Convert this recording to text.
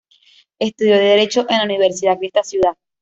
Estudió Derecho en la Universidad de esta ciudad.